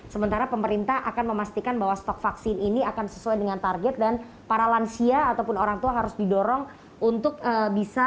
sementara pemerintah akan memastikan bahwa stok vaksin ini akan sesuai dengan target dan para lansia ataupun orang tua harus didorong untuk bisa